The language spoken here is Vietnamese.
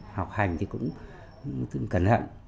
học hành thì cũng cần hận